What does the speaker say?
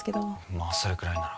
まあそれくらいなら。